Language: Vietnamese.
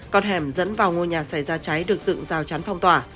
con hẻm dẫn vào ngôi nhà xảy ra cháy được dựng rào chắn phong tỏa